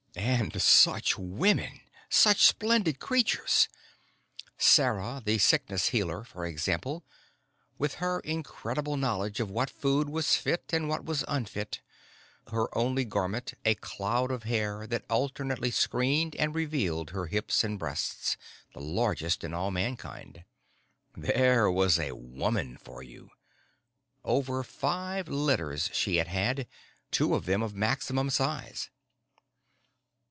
And such women such splendid creatures! Sarah the Sickness Healer, for example, with her incredible knowledge of what food was fit and what was unfit, her only garment a cloud of hair that alternately screened and revealed her hips and breasts, the largest in all Mankind. There was a woman for you! Over five litters she had had, two of them of maximum size.